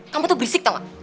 kamu tuh bisik tau gak